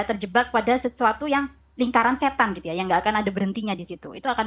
terjebak pada sesuatu yang lingkaran setan gitu ya yang nggak akan ada berhentinya disitu itu akan